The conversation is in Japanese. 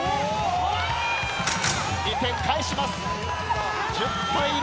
２点返します。